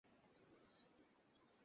JD sir চুপচাপ কেন?